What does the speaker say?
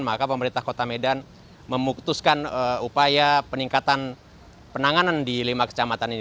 maka pemerintah kota medan memutuskan upaya peningkatan penanganan di lima kecamatan ini